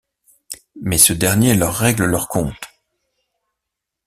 Mais ce dernier leur règle leurs comptes.